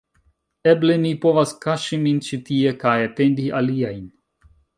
Eble, mi povas kaŝi min ĉi tie kaj atendi aliajn